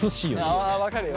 分かるよ。